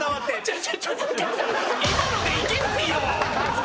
今のでいけない。